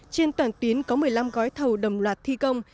trên toàn tuyến có một mươi năm gói thầu đồng loạt thi công